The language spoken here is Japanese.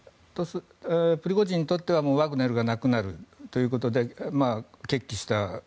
プリゴジンにとってはワグネルがなくなるということで決起したと。